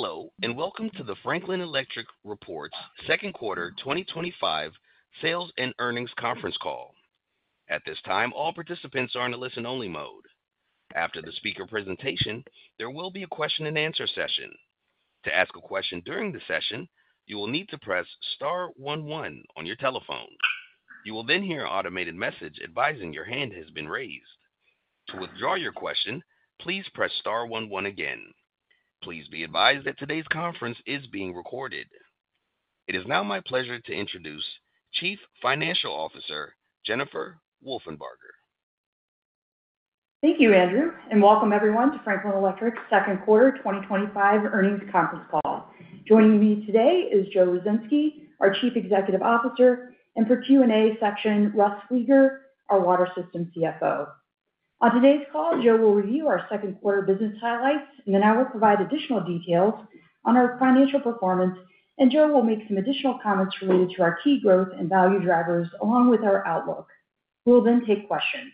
Hello and welcome to Franklin Electric. Reports second quarter 2025 sales and earnings conference call. At this time, all participants are in. A listen-only mode. After the speaker presentation, there will be a question and answer session. To ask a question during the session, you will need to press star one one on your telephone. You will then hear an automated message advising your hand has been raised to withdraw your question. Please press star one one again. Please be advised that today's conference is being recorded. It is now my pleasure to introduce Chief Financial Officer Jennifer Wolfenbarger. Thank you, Andrew, and welcome everyone to Franklin Electric's second quarter 2025 earnings conference call. Joining me today is Joe Ruzynski, our Chief Executive Officer, and for the Q&A section, Russ Fleeger, our Water Systems CFO. On today's call, Joe will review our second quarter business highlights, and then I will provide additional details on our financial performance. Joe will make some additional comments related to our key growth and value drivers along with our outlook. We will then take questions.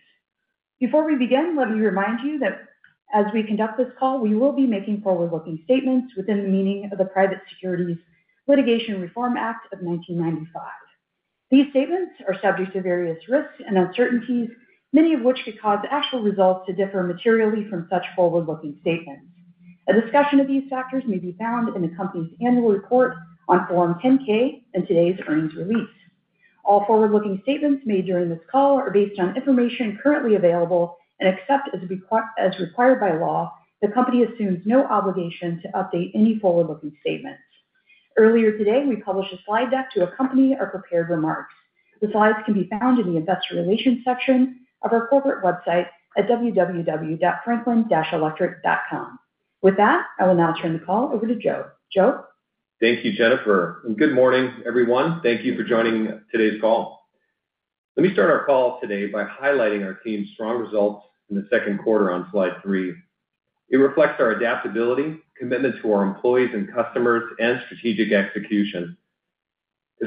Before we begin, let me remind you that as we conduct this call, we will be making forward-looking statements within the meaning of the Private Securities Litigation Reform Act of 1995. These statements are subject to various risks and uncertainties, many of which could cause actual results to differ materially from such forward-looking statements. A discussion of these factors may be found in the Company's Annual Report on Form 10-K and today's earnings release. All forward-looking statements made during this call are based on information currently available, and except as required by law, the Company assumes no obligation to update any forward-looking statements. Earlier today, we published a slide deck to accompany our prepared remarks. The slides can be found in the Investor Relations section of our corporate website at www.franklin-electric.com. With that, I will now turn the call over to Joe. Joe? thank you. Jennifer, good morning everyone. Thank you for joining today's call. Let me start our call today by highlighting our team's strong results in the second quarter on Slide 3. It reflects our adaptability, commitment to our. Employees and customers and strategic execution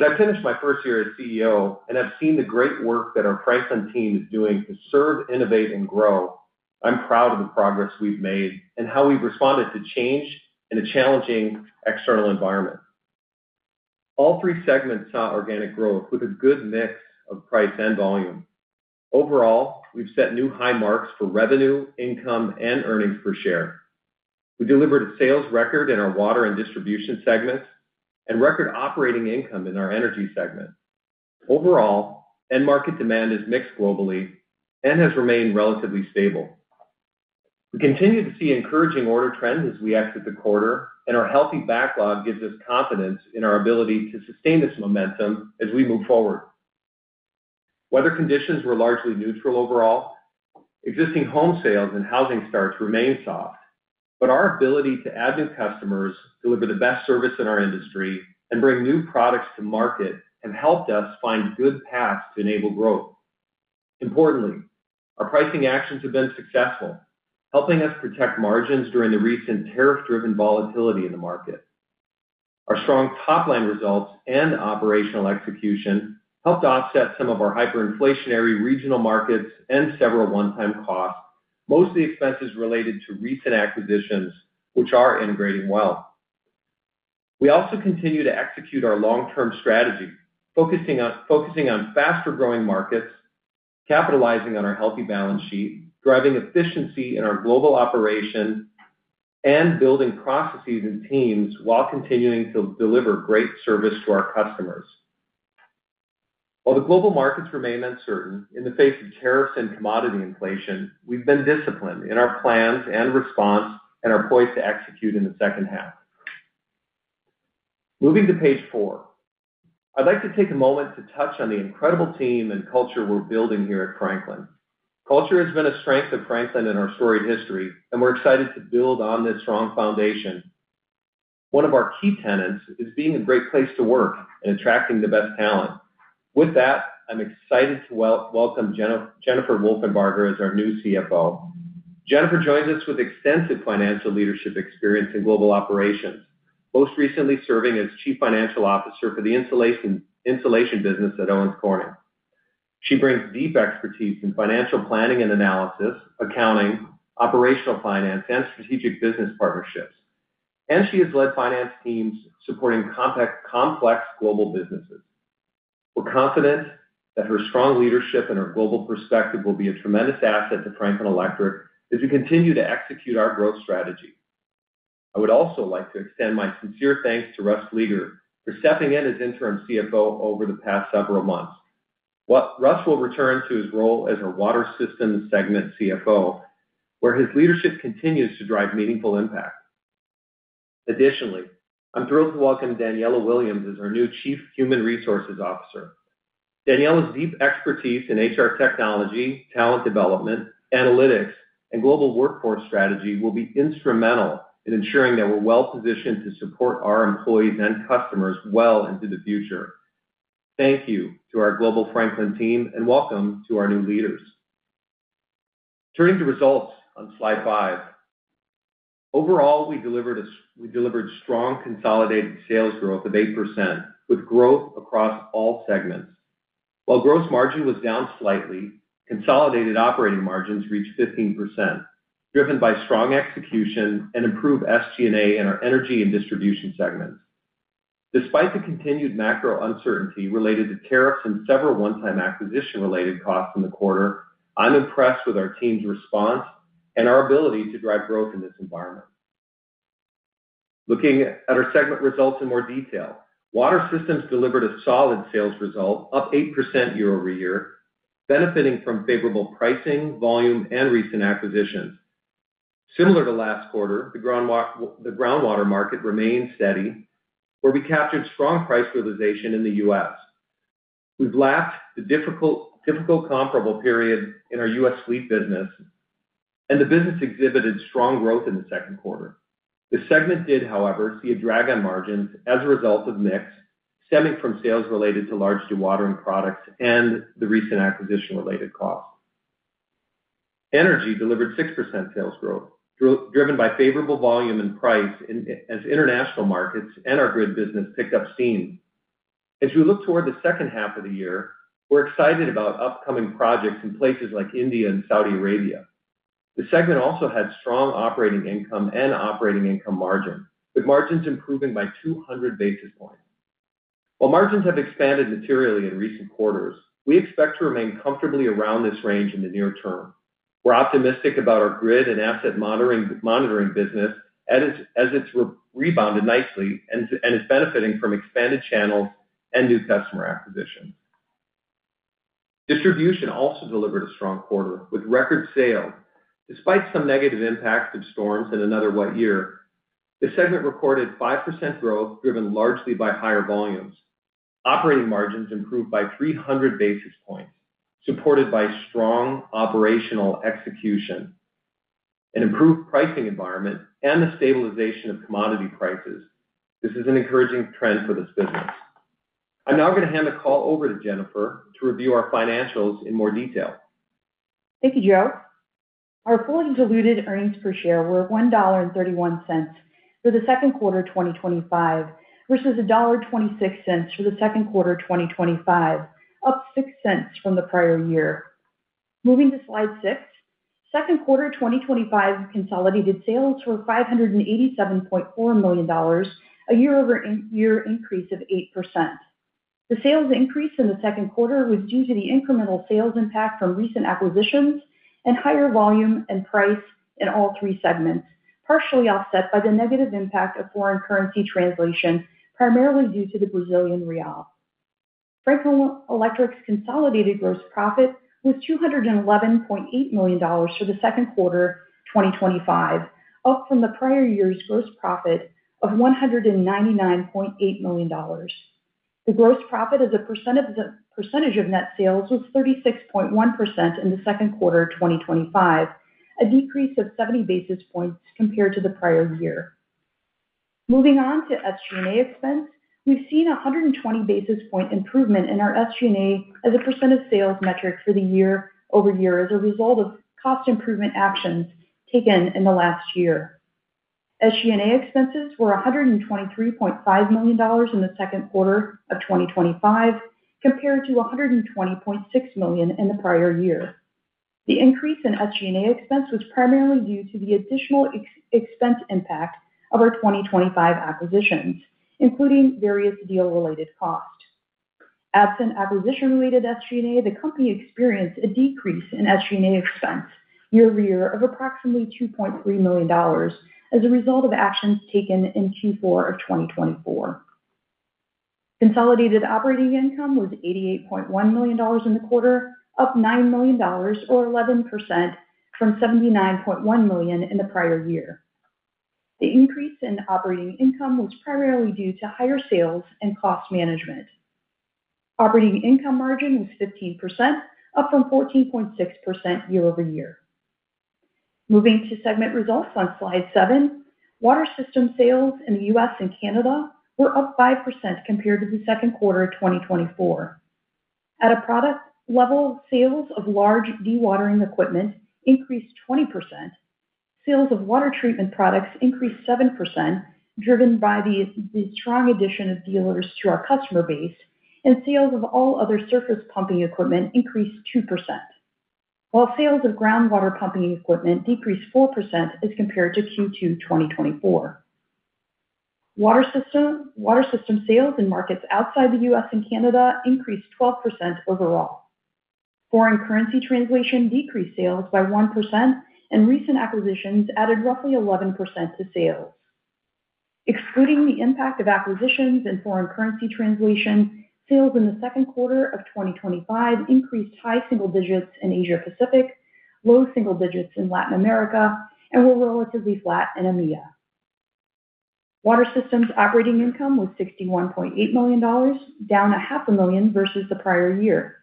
as I finish my first year as CEO and have seen the great work that our Franklin Electric team is doing to serve, innovate and grow. I'm proud of the progress we've made and how we've responded to change in a challenging external environment. All three segments saw organic growth with a good mix of price and volume. Overall, we've set new high marks for revenue, income and earnings per share. We delivered a sales record in our. Water and Distribution segments and record operating. Income in our Energy Systems segment. Overall end market demand is mixed globally. It has remained relatively stable. We continue to see encouraging order trends. As we exit the quarter, our healthy backlog gives us confidence in our ability to sustain this momentum as we move forward. Weather conditions were largely neutral overall. Existing home sales and housing starts remain. Soft, but our ability to add new customers, deliver the best service in our industry, and bring new products to market have helped us find good paths to enable growth. Importantly, our pricing actions have been successful, helping us protect margins during the recent tariff-driven volatility in the market. Our strong top line results and operational. Execution helped offset some of our hyperinflationary regional markets, and several one-time costs, mostly expenses related to recent acquisitions which are integrating well. We also continue to execute our long. Term strategy, focusing on faster growing markets. Capitalizing on our healthy balance sheet, driving. Efficiency in our global operation and building processes and teams while continuing to deliver great service to our customers. While the global markets remain uncertain. the face of tariffs and commodity inflation, we've been disciplined in our plans and response and are poised to execute in the second half. Moving to page four, I'd like to take a moment to. Touch on the incredible team and culture. We're building here at Franklin Electric. Culture has been a strength of Franklin Electric and our storied history, and we're excited to build on this strong foundation. One of our key tenets is being. A great place to work and attracting the best talent. With that, I'm excited to welcome Jennifer. Wolfenbarger as our new CFO. Jennifer joins us with extensive financial leadership experience in global operations, most recently serving as Chief Financial Officer for the insulation business at Owens Corning. She brings deep expertise in financial planning and analysis, accounting, operational finance, and strategic. Business partnerships, and she has led finance teams supporting complex global businesses. We're confident that her strong leadership and Her global perspective will be a tremendous asset to Franklin Electric as we continue to execute our growth strategy. I would also like to extend my. Sincere thanks to Russ Fleeger for stepping in as interim CFO over the past several months. Russ will return to his role as our Water Systems Segment CFO, where his leadership continues to drive meaningful impact. Additionally, I'm thrilled to welcome Daniela Williams as our new Chief Human Resources Officer. Daniela's deep expertise in HR, technology, talent. Development, analytics, and global workforce strategy will be instrumental in ensuring that we're well positioned to support our employees and customers well into the future. Thank you to our global Franklin Electric team, and welcome to our new leaders. Turning to results on slide 5, overall, we delivered strong consolidated sales growth. 8% with growth across all segments, while gross margin was down slightly. Consolidated operating margins reached 15%, driven by. Strong execution and improved SG&A in our Energy Systems and Distribution segments. Despite the continued macro uncertainty related to tariffs and several one-time acquisition-related costs in the quarter, I'm impressed with our team's response and our ability to drive growth in this environment. Looking at our segment results in more. Detail, Water Systems delivered a solid sales result, up 8% year over year, benefiting from favorable pricing, volume, and recent acquisitions. Similar to last quarter, the groundwater market. Remained steady where we captured strong price realization in the U.S. We've lapped the. Difficult comparable period in our U.S. fleet. The business exhibited strong growth in the second quarter. The segment did, however, see a drag. On margin as a result of mix stemming from sales related to large dewatering equipment and the recent acquisition related costs. Energy delivered 6% sales growth driven by. Favorable volume and price as international markets. Our grid business picked up steam. As we look toward the second half of the year, we're excited about upcoming projects in places like India and Saudi Arabia. The segment also had strong operating income. Operating income margin with margins improving by 200 basis points. While margins have expanded materially in recent periods. Quarters, we expect to remain comfortably around this range in the near term. We're optimistic about our grid business and asset monitoring. monitoring business as it's rebounded nicely and is benefiting from expanded channels and new customer acquisitions. Distribution also delivered a strong quarter with record sales despite some negative impacts of storms and another wet year. The segment reported 5% growth, driven largely by higher volumes. Operating margins improved by 300 basis points. Supported by strong operational execution, an improved Pricing environment and the stabilization of commodity prices. This is an encouraging trend for this business. I'm now going to hand the call. Over to Jennifer to review our financials in more detail. Thank you Joe. Our fully diluted earnings per share were $1.31 for the second quarter 2025 versus $1.26 for the second quarter 2024, up $0.06 from the prior year. Moving to Slide 6, second quarter 2025 consolidated sales were $587.4 million, a year-over-year increase of 8%. The sales increase in the second quarter was due to the incremental sales impact from recent acquisitions and higher volume and price in all three segments, partially offset by the negative impact of foreign currency translation, primarily due to the Brazilian real. Franklin Electric's consolidated gross profit was $211.8 million for the second quarter 2025, up from the prior year's gross profit of $199.8 million. The gross profit as a percentage of net sales was 36.1% in the second quarter 2025, a decrease of 70 basis points compared to the prior year. Moving on to SG&A expense, we've seen a 120 basis point improvement in our SG&A as a percent of sales metric year-over-year as a result of cost improvement actions taken in the last year. SG&A expenses were $123.5 million in the second quarter of 2025 compared to $120.6 million in the prior year. The increase in SG&A expense was primarily due to the additional expense impact of our 2025 acquisitions, including various deal-related costs. Absent acquisition-related SG&A, the company experienced a decrease in SG&A expenses year-over-year of approximately $2.3 million as a result of actions taken in Q4 of 2024. Consolidated operating income was $88.1 million in the quarter, up $9 million or 11% from $79.1 million in the prior year. The increase in operating income was primarily due to higher sales and cost management. Operating income margin was 15%, up from 14.6% year-over-year. Moving to segment results on Slide 7, Water Systems sales in the U.S. and Canada were up 5% compared to the second quarter 2024. At a product level, sales of large dewatering equipment increased 20%, sales of water treatment products increased 7% driven by the strong addition of dealers to our customer base, and sales of all other surface pumping equipment increased 2%, while sales of groundwater pumping equipment decreased 4% as compared to Q2 2024. Water Systems sales in markets outside the U.S. and Canada increased 12% overall. Foreign currency translation decreased sales by 1% and recent acquisitions added roughly 11% to sales. Excluding the impact of acquisitions and foreign currency translation, sales in the second quarter of 2025 increased high single digits in Asia Pacific, low single digits in Latin America, and were relatively flat in EMEA Water Systems. Operating income was $61.8 million, down a $500,000 versus the prior year.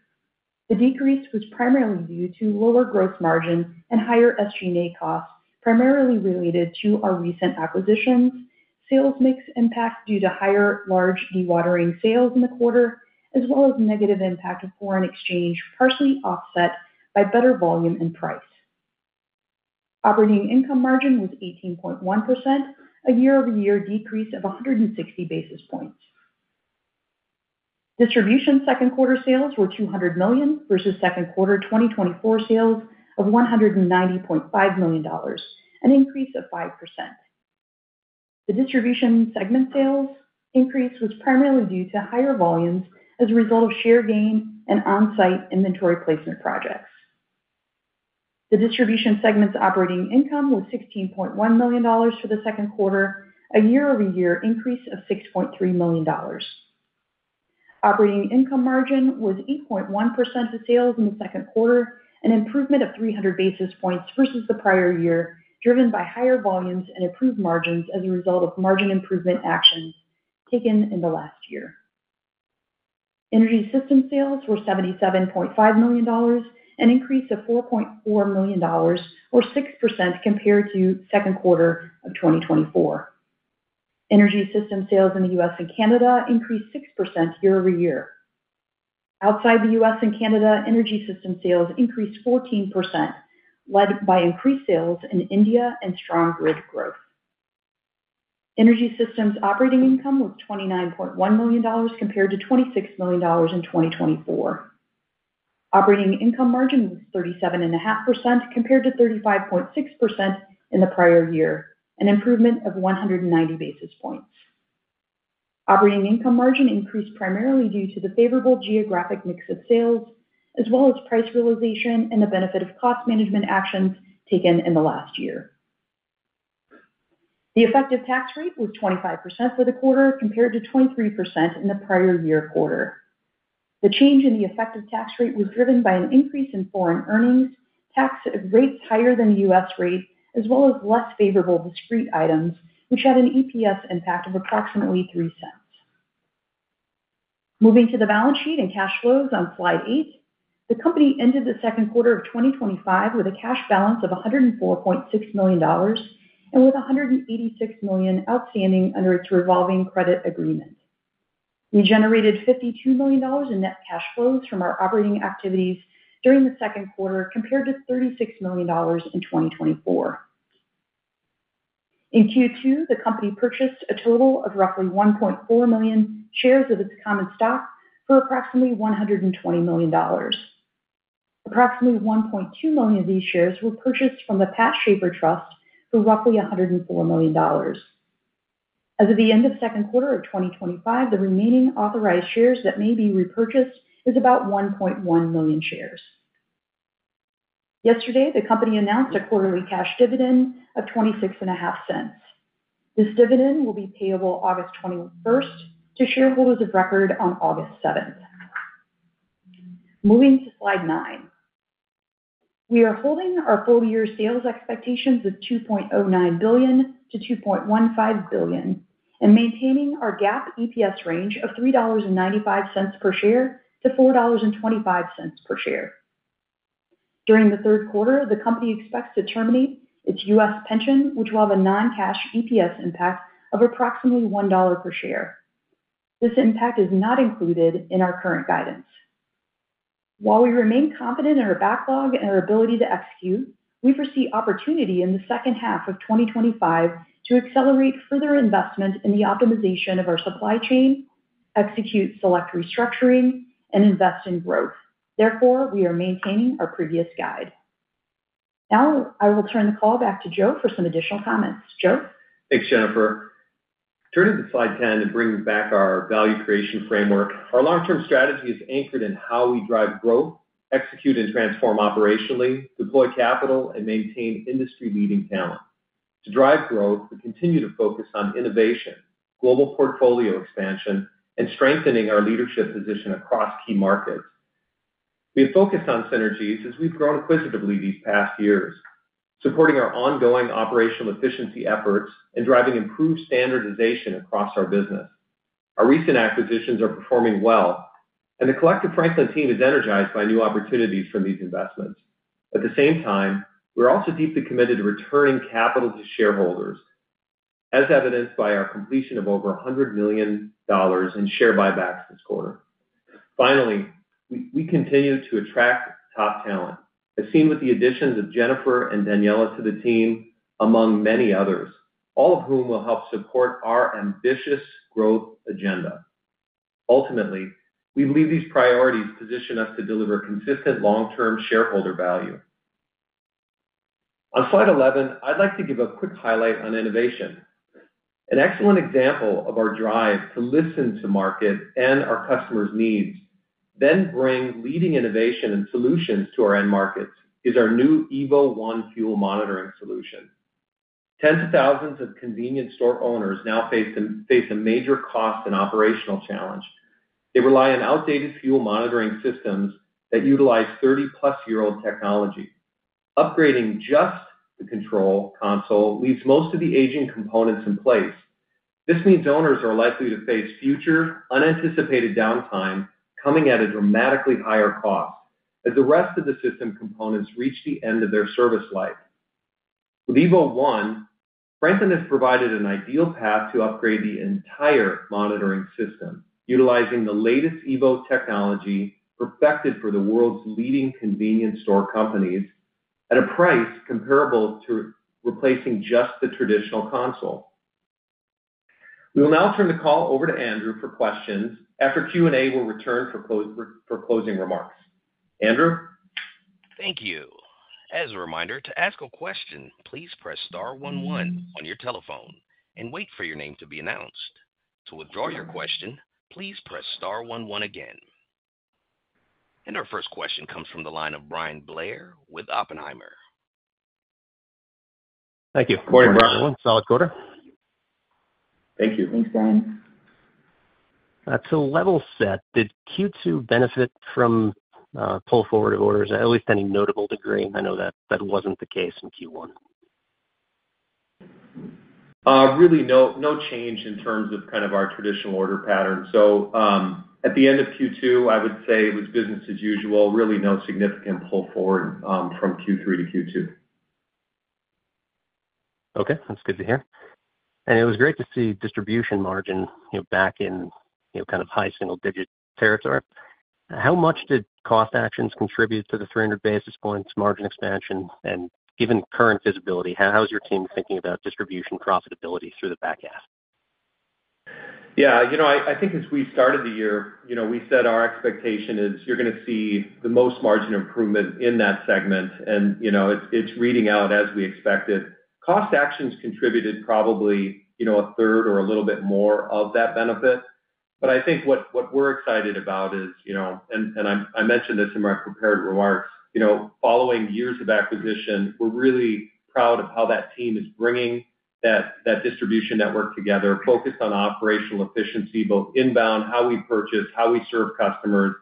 The decrease was primarily due to lower gross margin and higher SG&A costs, primarily related to our recent acquisitions. Sales mix impact due to higher large dewatering sales in the quarter as well as negative impact of foreign exchange was partially offset by better volume and price. Operating income margin was 18.1%, a year-over-year decrease of 160 basis points. Distribution second quarter sales were $200 million versus second quarter 2024 sales of $190.5 million, an increase of 5%. The Distribution segment sales increase was primarily due to higher volumes as a result of share gain and on-site inventory placement projects. The Distribution segment's operating income was $16.1 million for the second quarter, a year-over-year increase of $6.3 million. Operating income margin was 8.1% of sales in the second quarter, an improvement of 300 basis points versus the prior year, driven by higher volumes and improved margins as a result of margin improvement actions taken in the last year. Energy Systems sales were $77.5 million, an increase of $4.4 million or 6% compared to the second quarter of 2024. Energy Systems sales in the U.S. and Canada increased 6% year-over-year. Outside the U.S. and Canada, Energy Systems sales increased 14%, led by increased sales in India and strong grid growth. Energy Systems operating income was $29.1 million compared to $26 million in 2024. Operating income margin was 37.5% compared to 35.6% in the prior year, an improvement of 190 basis points. Operating income margin increased primarily due to the favorable geographic mix of sales as well as price realization and the benefit of cost management actions taken in the last year. The effective tax rate was 25% for the quarter compared to 23% in the prior year quarter. The change in the effective tax rate was driven by an increase in foreign earnings taxed at rates higher than the U.S. rate as well as less favorable discrete items, which had an EPS impact of approximately $0.03. Moving to the balance sheet and cash flows on Slide 8, the company ended the second quarter of 2025 with a cash balance of $104.6 million and with $186 million outstanding under its revolving credit agreement. We generated $52 million in net cash flows from our operating activities during the second quarter compared to $36 million in 2024. In Q2, the company purchased a total of roughly 1.4 million shares of its common stock for approximately $120 million. Approximately 1.2 million of these shares were purchased from the Pat Shaffer Trust for roughly $104 million as of the end of the second quarter of 2025. The remaining authorized shares that may be repurchased is about 1.1 million shares. Yesterday, the company announced a quarterly cash dividend of $0.265. This dividend will be payable August 21 to shareholders of record on August 7. Moving to slide 9, we are holding our full year sales expectations of $2.09 billion to $2.15 billion and maintaining our GAAP EPS range of $3.95 per share to $4.25 per share. During the third quarter, the company expects to terminate its U.S. pension which will have a non-cash EPS impact of approximately $1 per share. This impact is not included in our current guidance. While we remain confident in our backlog and our ability to execute, we foresee opportunity in the second half of 2025 to accelerate further investment in the optimization of our supply chain, execute select restructuring and invest in growth. Therefore, we are maintaining our previous guide. Now I will turn the call back to Joe for some additional comments. Joe? Thanks Jennifer. Turning to slide 10 and bringing back. Our value creation framework, our long term strategy is anchored in how we drive growth, execute and transform, operationally deploy capital, and maintain industry leading talent. To drive growth, we continue to focus. On innovation, global portfolio expansion, and strengthening our leadership position across key markets. We have focused on synergies as we've. Grown acquisitively these past years, supporting our ongoing operational efficiency efforts and driving improved standardization across our business. Our recent acquisitions are performing well, and the collective Franklin Electric team is energized by. New opportunities from these investments. At the same time, we're also deeply committed to returning capital to shareholders, as evidenced by our completion of over $100 million in share buybacks this quarter. Finally, we continue to attract top talent. As seen with the additions of Jennifer. Daniela to the team, among many others, all of whom will help support our ambitious growth agenda. Ultimately, we believe these priorities position us to deliver consistent long term shareholder value. On slide 11, I'd like to give. A quick highlight on innovation. An excellent example of our drive to. Listen to market and our customers' needs, then bring leading innovation and solutions to our end markets. Our new EVO ONE fuel monitoring solution: tens of thousands of convenience store owners now face a major cost and operational challenge. They rely on outdated fuel monitoring systems. That utilize 30+ year old technology. Upgrading just the control console leaves most. Of the aging components in place. This means owners are likely to face. Future unanticipated downtime coming at a dramatically higher cost as the rest of the system components reach the end of their service life. With EVO ONE, Franklin Electric has provided an ideal. Path to upgrade the entire monitoring system utilizing the latest EVO technology perfected for the world's leading convenience store companies at a price comparable to replacing just the traditional console. We will now turn the call over to Andrew for questions. After Q and A, will return for closing remarks. Andrew, thank you. As a reminder to ask a question, please press star one one on your telephone and wait for your name to be announced. To withdraw your question, please press star one one again. Our first question comes from the line of Bryan Blair with Oppenheimer. Thank you. Morning Bryan. Solid quarter. Thank you. Thanks, Bryan. Level set, did Q2 benefit from pull forward of orders at least any notable degree? I know that that wasn't the case in Q1. Really no change in terms of kind of our traditional order pattern. At the end of Q2, I. Would say it was business as usual. Really no significant pull forward from Q3 to Q2. Okay, that's good to hear. It was great to see distribution margin back in kind of high single digit territory. How much did cost actions contribute to the 300 basis points margin expansion? Given current visibility, how is your team thinking about distribution profitability through the back half? Yeah, I think as we. Started the year, you know, we said our expectation is you're going to see. The most margin improvement in that segment. It's reading out as we expected. Cost actions contributed probably, you know, a. Third or a little bit more of that benefit. I think what we're excited about is, you know, and I mentioned this in my prepared remarks, you know, following. Years of acquisition, we're really proud of how that team is bringing that distribution network together, focused on operational efficiency, both. Inbound, how we purchase, how we serve. Customers,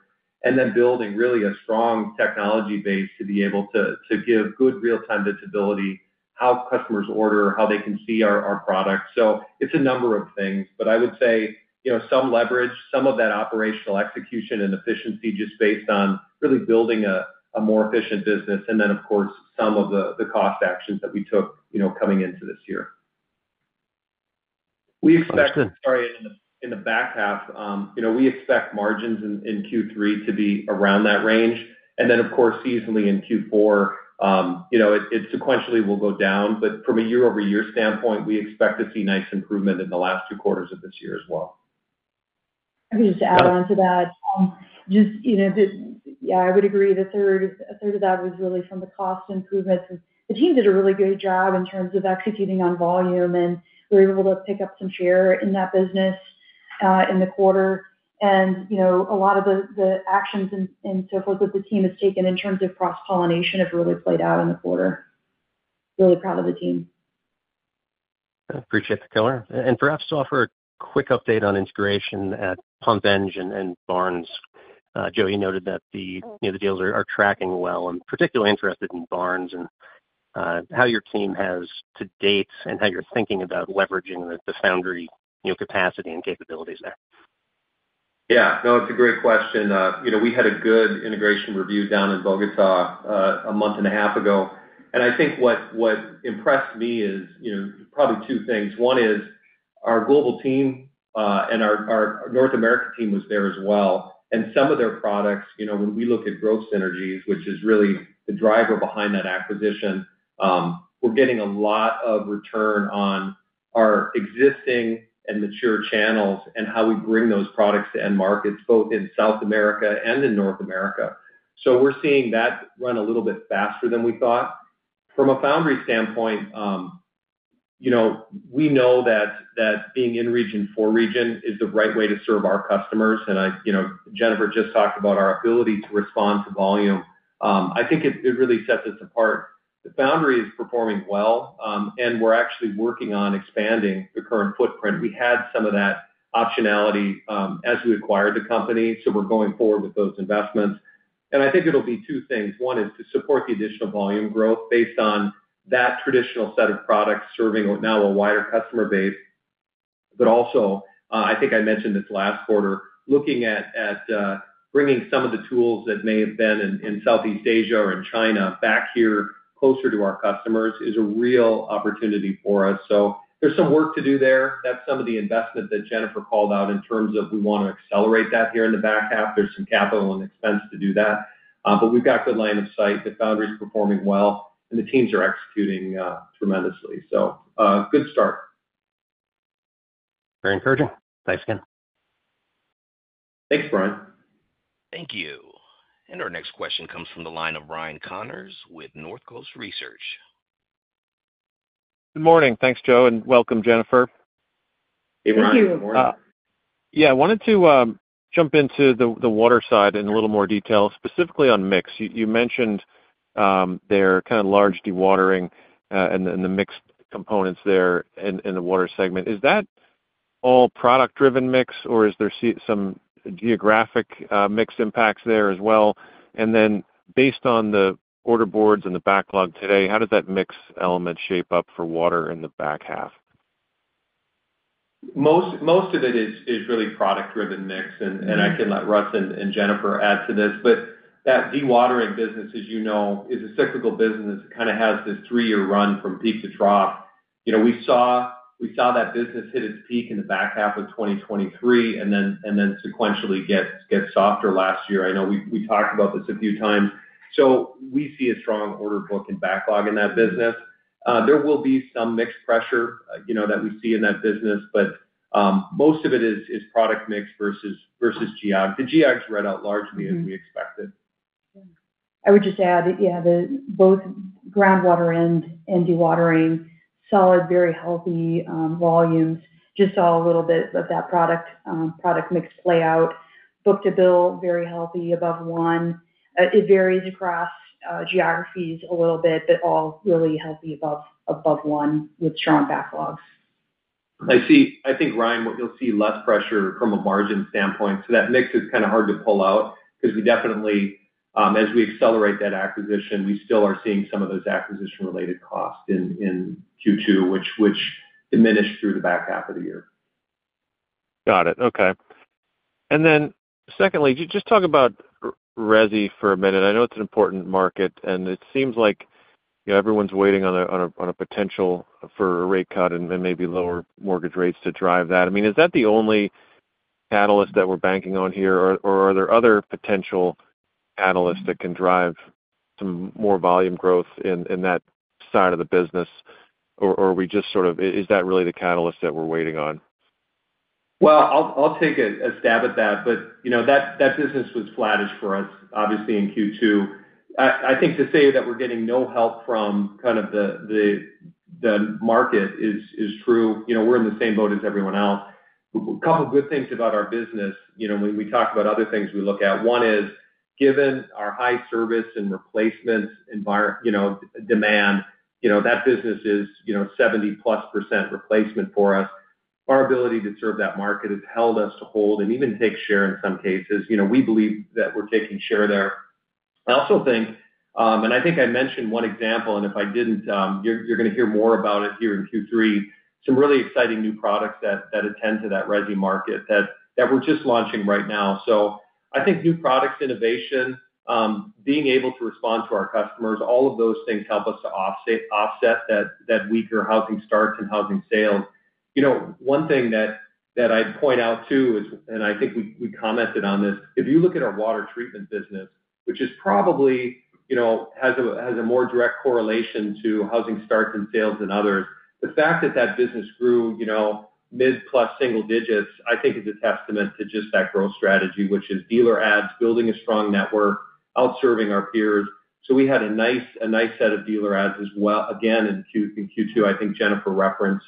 and then building really a strong technology base to be able to give good real-time visibility, how customers order, how they can see our products. It's a number of things. I would say some leverage, some of. That operational execution and efficiency just based. On the really building a more efficient business. Of course, some of the. Cost actions that we took coming into. This year. We expect in the back half, we expect margins in Q3 to. Be around that range, and then of course seasonally in Q4. It sequentially will go down. From a year over year standpoint, we expect to see nice improvement in the last two quarters of this year as well. I could just add on to that. I would agree a third of that was really from the cost improvements. The team did a really good job in terms of executing on volume, and we were able to pick up some share in that business in the quarter. A lot of the actions and so forth that the team has taken in terms of cross pollination have really played out in the quarter. Really proud of the team. Appreciate the question and perhaps to offer a quick update on integration at Pump Engineers and Barnes. Joe, you noted that the deals are tracking well. I'm particularly interested in Barnes and how your team has to date and how you're thinking about leveraging the foundry capacity and capabilities there. Yeah, no, it's a great question. We had a good integration review. In Bogota a month and a half ago, I think what impressed me. Is probably two things. One is our global team and our North America team was there as well. Some of their products. When we look at growth synergies, which is really the driver behind that acquisition. We're getting a lot of return on our existing and mature channels and how. We bring those products to end markets both in South America and in North America. We are seeing that run a little bit faster than we thought. From a foundry standpoint. We know that being in Region 4 is the right way to serve our customers. Jennifer just talked about our ability. To respond to volume, I think it really sets us apart. The foundry is performing well and we're. Actually working on expanding the current footprint. We had some of that optionality as we acquired the company. We are going forward with those investments, and I think it will be two things. One is to support the additional volume growth based on that traditional set of products serving now a wider customer base. I think I mentioned this last quarter looking at bringing some of. The tools that may have been in Southeast Asia or in China back here. Closer to our customers is a real opportunity for us. There is some work to do there. That is some of the investment that Jennifer called out in terms of wanting to accelerate that here in the back half. There is some capital and expense to do. We've got good line of sight. The foundry is performing well, and the teams are executing tremendously. Good start. Very encouraging. Thanks again. Thanks, Bryan. Thank you. Our next question comes from the line of Ryan Connors with Northcoast Research. Good morning. Thanks, Joe, and welcome, Jennifer. Hey, Ryan. Thank you. Yeah, I wanted to jump into the water side in a little more detail. Specifically on mix. You mentioned their large dewatering and the mixed components there in the Water Systems segment. Is that all product driven mix, or is there some geographic mix impacts there as well? Based on the order boards and the backlog today, how does that mix element shape up for Water Systems in the back half? Most of it is really product-driven mix. I can let Russ and Jennifer Wolfenbarger add to this, but that dewatering business. As you know, it is a cyclical business. It kind of has this three year run from peak to drop. We saw that business hit its peak. In the back half of 2023. We talked about this a few times. We see a strong order book and backlog in that business. There will be some mix pressure that we see in that business, but most. Of it is product mix versus geography. The geographies read out largely as we expected. I would just add both groundwater and dewatering solid, very healthy volumes. Just saw a little bit of that product mix play out. Book-to-bill, very healthy above 1. It varies across geographies a little bit, but all really healthy above 1 with strong backlogs. I think, Ryan, what you'll see less. Pressure from a margin standpoint. That mix is kind of hard. To pull out because we definitely, as. We accelerate that acquisition. We still are seeing some of those acquisition related costs in Q2, which diminished through the back half of the year. Got it. Okay. Secondly, just talk about resi for a minute. I know it's an important market and it seems like everyone's waiting on a potential for a rate cut and maybe lower mortgage rates to drive that. Is that the only catalyst that we're banking on here, or are there other potential catalysts that can drive some more volume growth in? That side of the business? Is that really the catalyst that we're waiting on? I'll take a stab at that. That business was flattish for us, obviously, in Q2. I think to say that we're getting no help from kind of the market is true. We're in the same boat as everyone else. A couple good things about our business. When we talk about other things we look at. One is given our high service. Replacement demand, that business is 70%+. Percent replacement for us. Our ability to serve that market has. Held us to hold and even take share in some cases. We believe that we're taking share there. I also think, and I think I mentioned one example. If I didn't, you're going to hear more about it here in Q3. Some really exciting new products that attend to that Resi market that we're just launching right now. I think new products, innovation, being. Able to respond to our customers, all of those things help us to offset that weaker housing starts and housing sales. You know, one thing that I point. I think we commented on this, if you look at our water treatment business, which is probably. You know, has a more direct correlation. To housing starts and sales than others. The fact that that business grew. Mid plus single digits, I think is a testament to just that growth strategy, which is dealer ads, building a strong network out serving our peers. We had a nice set of results. Dealer ads as well. Again, in Q2, I think Jennifer referenced.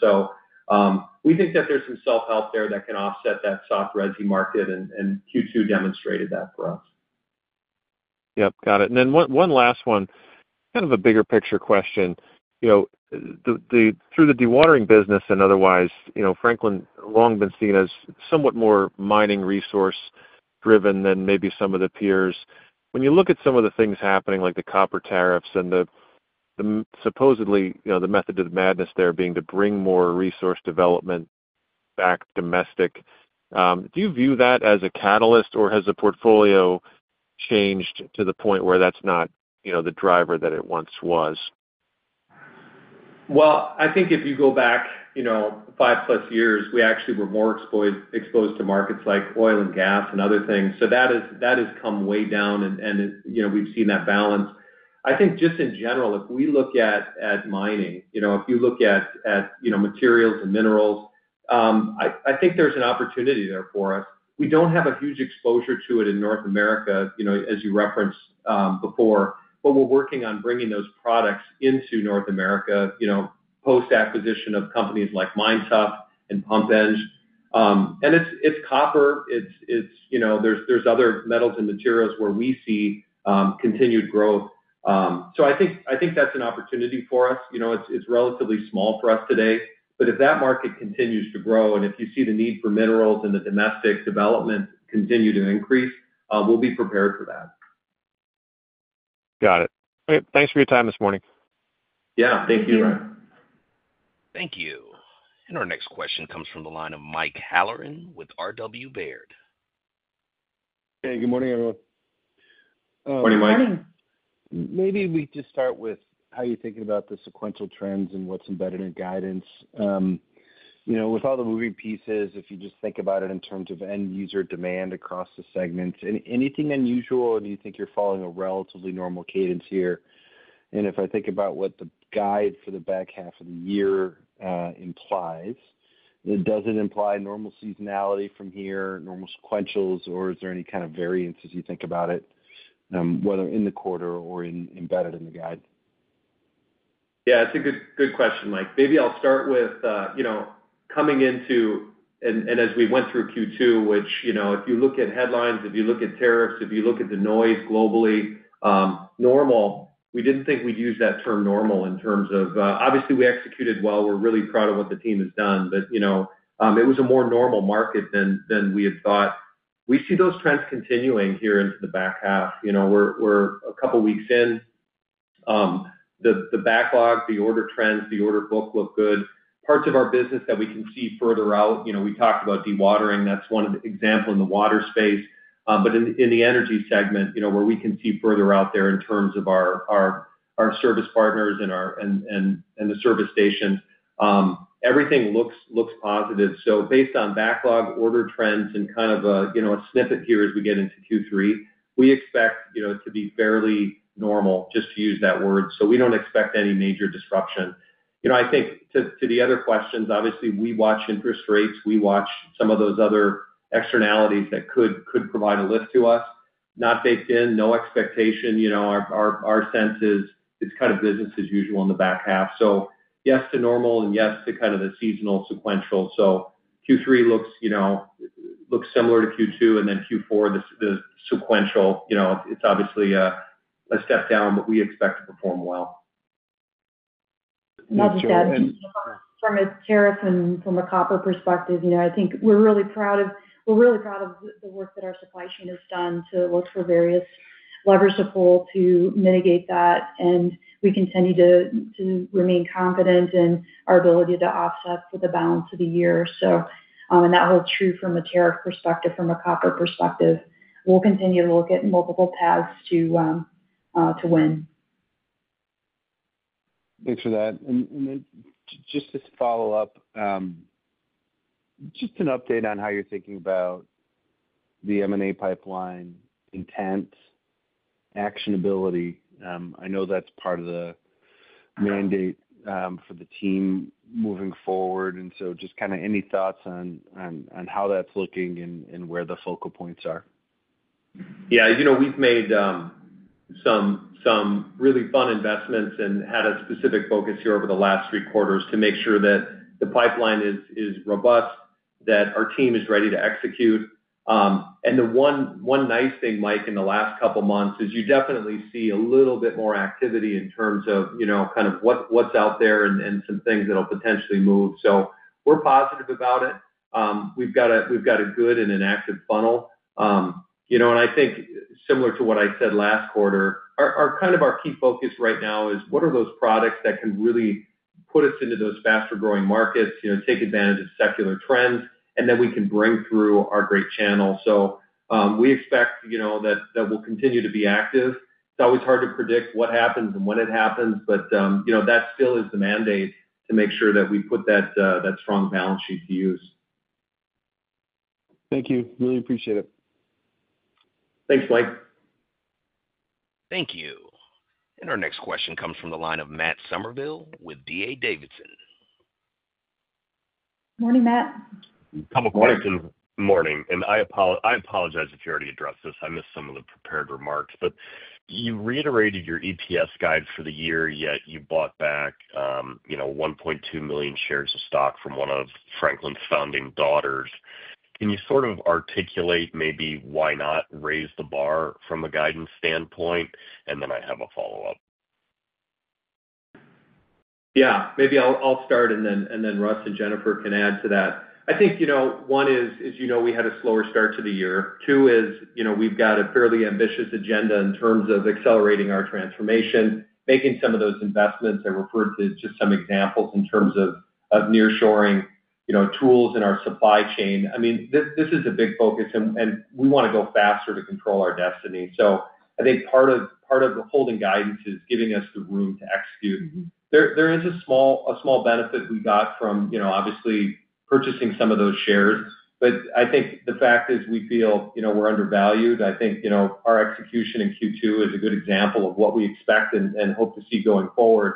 We think that there's some self. Help there that can offset that soft Resi market, and Q2 demonstrated that for us. Got it. One last one, kind of. A bigger picture question. Through the dewatering business and otherwise, Franklin Electric has long been seen as somewhat more mining resource driven than maybe some of the peers. When you look at some of the things happening like the copper tariffs and supposedly the method of madness there being to bring more resource development back domestic, do you view that as a catalyst or has the portfolio changed to the point where that's not the driver that it once was? I think if you go back five plus years, we actually were more exposed to markets like oil and gas and other things. That is coming way down, and we've seen that balance. I think just in general, if we look at mining, if you look at materials and minerals, I think there's an. Opportunity there for us. We don't have a huge exposure to it in North America as you referenced before, but we're working on bringing those. Products into North America post acquisition of companies like Minetuff and PumpEdge. It's copper, there's other metals and. Materials where we see continued growth. I think that's an opportunity for us. It's relatively small for us today, but if that market continues to grow and if you see the need for minerals, Domestic development continues to increase. We'll be prepared for that. Got it. Thanks for your time this morning. Yeah, thank you, Ryan. Thank you. Our next question comes from the line of Mike Halloran with Robert W. Baird. Hey, good morning everyone. Morning, Mike. Maybe we just start with how you. Think about the sequential trends and what's embedded in guidance, with all the moving pieces. If you just think about it in terms of end user demand across the segments, anything unusual and you think you're following a relatively normal cadence here. If I think about what the guide for the back half of the year implies, does it imply normal seasonality from here, normal sequentials, or is there any kind of variance as you think about it, whether in the quarter or embedded in the guide? Yeah, that's a good question, Mike. Maybe I'll start with coming into and as we went through Q2, which, if you look at headlines, if you look. At tariffs, if you look at the. Noise globally normal. We didn't think we'd. Use that term normal in terms of, obviously we executed well. We're really proud of what the team. has done, but it was a more normal market than we had thought. We see those trends continuing here into the back half. We're a couple weeks in the backlog. The order trends, the order book look good. Parts of our business that we can see further out. We talked about dewatering, that's one example. In the water space. In the energy systems segment, where we. Can see further out there in terms. Of our service partners and the service stations, everything looks positive. Based on backlog order trends and. Kind of a snippet here as we get into Q3, we expect to be fairly normal, just to use that word. We don't expect any major disruption. I think to the other questions, obviously we watch interest rates, we watch some. Of those other externalities that could provide. A lift to us. Not baked in, no expectation. Our sense is it's kind of business as usual in the back half. Yes to normal and yes to kind of the seasonal sequential. Q3 looks similar to Q2, and then Q4, the sequential. It's obviously a step down, but we. Expect to perform well. I'll just add from a tariff and from a copper perspective, I think we're really proud of the work that our supply chain has done to look for various levers to pull to mitigate that, and we continue to remain confident in our ability to offset for the balance of the year. So. That holds true from a tariff perspective. From a copper perspective, we'll continue to look at multiple paths to win. Thanks for that. Just to follow up. Just. An update on how you're thinking about the M&A pipeline, intent, actionability. I know that's part of the mandate for the team moving forward, and just kind of any thoughts on how that's looking and where the focal points are? Yeah, you know, we've made some really fun investments and had a specific focus. Here over the last three quarters, too. Make sure that the pipeline is robust, that our team is ready to execute. The one nice thing, Mike, in the last couple months is you definitely. See a little bit more activity in. Terms of what's out there and some. Things that will potentially move. We are positive about it. We've got a good and an active. Funnel, I think similar to what I said last quarter. Our key focus right now is what? Are those products that can really put Us into those faster growing markets, take. Advantage of secular trends, and then we. Can bring through our great channel. We expect that we'll continue to be active. It's always hard to predict what happens and when it happens, but that still. The mandate is to make sure that we put that strong balance sheet to use. Thank you. Really appreciate it. Thanks, Mike. Thank you. Our next question comes from the line of Matt Summerville with D.A. Davidson. Morning, Matt. A couple of questions. Morning. I apologize if you already addressed this. I missed some of the prepared remarks. You reiterated your EPS guide for the year, yet you bought back $1.2 million shares of stock from one of Franklin Electric's founding daughters. Can you sort of articulate maybe why not raise the bar from a guidance standpoint? I have a follow up. Yeah, maybe I'll start, and then Russ and Jennifer can add to that. I think one is, as you know, we had a slower start to the year. Two is, we've got a. Fairly ambitious agenda in terms of accelerating our transformation, making some of those investments. I referred to just some examples in terms of near shoring, you know, tools in our supply chain. This is a big focus and we want to go faster to control our destiny. I think part of holding guidance is giving us the room to execute. There is a small benefit we got from obviously purchasing some of those shares. We feel we're undervalued. I think our execution in Q2 is a good example of what we expect and hope to see going forward.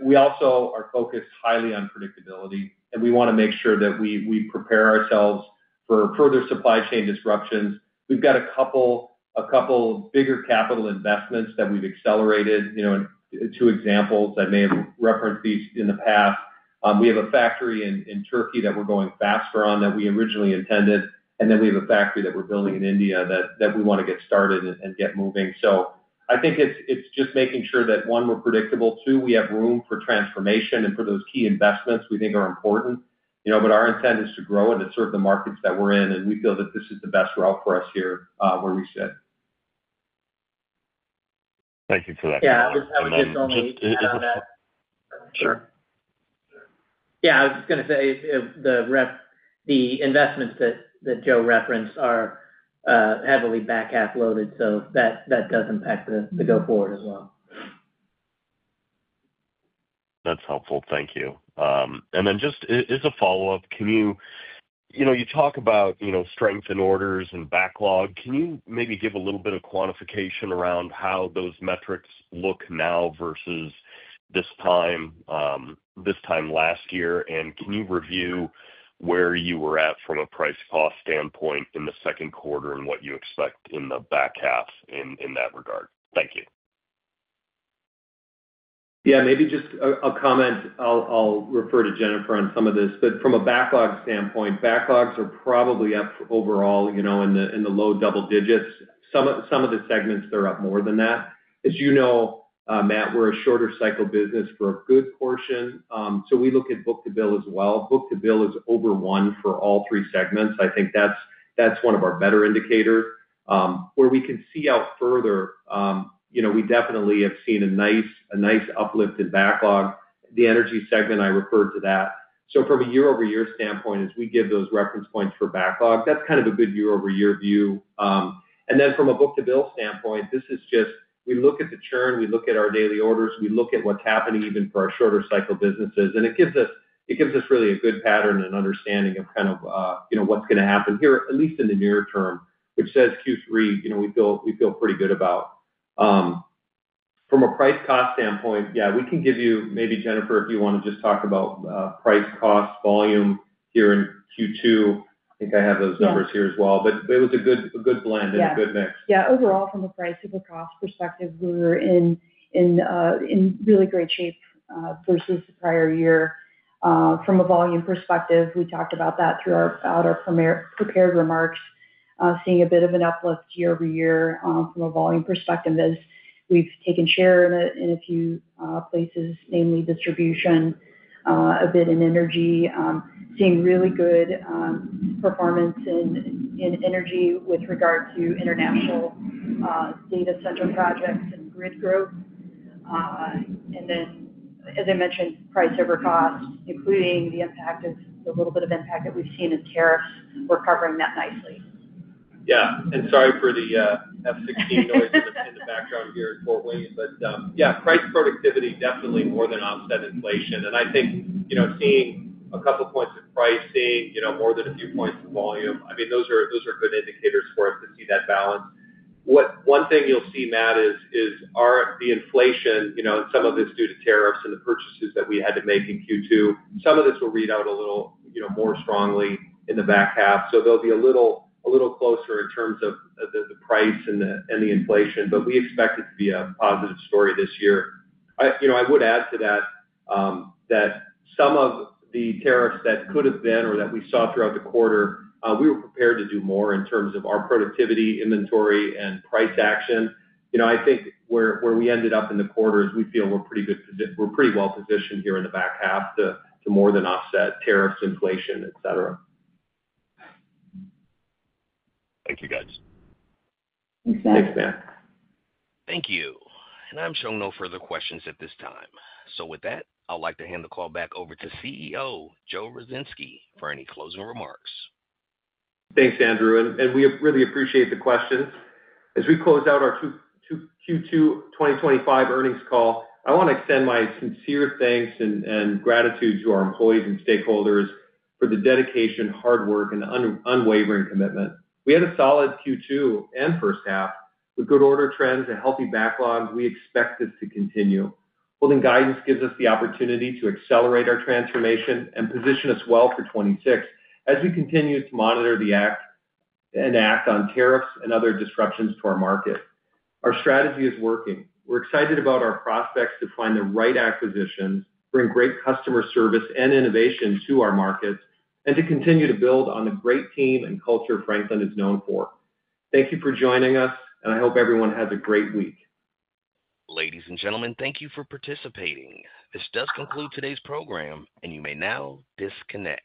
We also are focused highly on. Predictability, and we want to make sure that we prepare ourselves for further supply chain disruptions. We've got a couple bigger capital investments that we've accelerated. Two examples, I may have referenced these in the past. We have a factory in Turkey. We're going faster on that than we originally intended. We have a factory that. We're building in India that we want to get started and get moving. I think it's just making sure that, one, we're predictable. Two, we have room for transformation and for those key investments we think are important. Our intent is to grow and to serve the markets that we're in. We feel that this is the best route for us here where we sit. Thank you for that. Yeah. Sure. Yeah, I was just going to say the investments that Joe referenced are heavily back half loaded. That does impact the go forward as well. That's helpful. Thank you. Just as a follow up. Can you talk about. Strength in orders and backlog, can you maybe give a little bit of quantification around how those metrics look now versus this time last year, and can you review where you were at from a price cost standpoint in the second quarter and what you expect in the back half in that regard? Thank you. Yeah, maybe just a comment, I'll refer to Jennifer on some of this. From a backlog standpoint, backlogs are probably up overall, you know, in the low double digits. Some of the segments, they're up more than that. As you know, Matt, we're a shorter. Cycle business for a good portion. We look at book-to-bill as well. Book-to-bill is over one for all three segments. I think that's one of our. Better indicators where we can see out further. We definitely have seen a nice uplift in backlog in the Energy Systems segment. I referred to that. From a year over year standpoint, as we give those reference points for backlog, that's kind of a good year over year view. From a book-to-bill. standpoint, this is just we look at the churn, we look at our daily. Orders, we look at what's happening even. For our shorter cycle businesses, it gives us really a good pattern and understanding of kind of what's going to happen here at least in the near term. Q3 we feel pretty good about. From a price cost standpoint, yeah, we can give you maybe, Jennifer, if you want to just talk about price, cost, volume here in Q2. I think I have those numbers here as well, but it was a good blend and a good mix, yeah. Overall, from a price over cost perspective, we were in really great shape versus the prior year. From a volume perspective, we talked about that throughout our prepared remarks. Seeing a bit of an uplift year over year from a volume perspective as we've taken share in a few places, namely Distribution, a bit in Energy, seeing really good performance in Energy with regard to international data center projects and grid growth. As I mentioned, price over costs, including the impact of a little bit of impact that we've seen in tariffs, we're covering that nicely. Sorry for the F16 noise in the background here in Fort Wayne. Price productivity definitely more than. Offset inflation, and I think you know. Seeing a couple points of pricing, you know, more than a few points in volume, those are good indicators for us to see that balance. One thing you'll see, Matt, is the inflation. You know, some of this is due to tariffs and the purchases that we had to make in Q2. Some of this will read out a little more strongly. In the back half. They'll be a little closer in terms of the price and the inflation, but we expect it to be a positive story this year. I would add to that some. Of the tariffs that could have been or that we saw throughout the quarter, we were prepared to do more in. terms of our productivity, inventory, and price action, I think where we ended. Up in the quarter is we feel we're pretty good. We're pretty well positioned here in the back half to more than offset tariffs, inflation, etc. Thank you, guys. Thanks, man. Thank you. I'm showing no further questions at this time. With that, I'd like to hand the call back over to CEO Joe Ruzynski for any closing remarks. Thanks, Andrew. We really appreciate the questions. As we close out our Q2 2025 earnings call, I want to extend my sincere thanks and gratitude to our employees and stakeholders for the dedication, hard work, and unwavering commitment. We had a solid Q2 and first. Half with good order trends, a healthy backlog. We expect this to continue. Holding guidance gives us the opportunity to. Accelerate our transformation and position us well for 2026 as we continue to monitor tariffs and other disruptions to our market. Our strategy is working. We're excited about our prospects to find the right acquisitions, bring great customer service and innovation to our markets, and to continue to build on the great team and culture Franklin Electric is known for. Thank you for joining us, and I hope everyone has a great week. Ladies and gentlemen, thank you for participating. This does conclude today's program, and you may now disconnect.